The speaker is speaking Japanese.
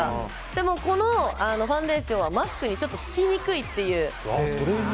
でもこのファンデーションはマスクにつきにくいっていう。